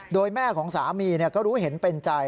โดยแม่ของสามีก็รู้เห็นเป็นใจ